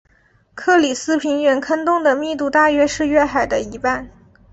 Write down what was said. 克里斯平原坑洞的密度大约是月海的一半。